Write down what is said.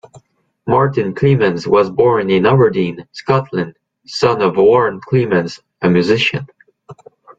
Martin Clemens was born in Aberdeen, Scotland, son of Warren Clemens, a musician.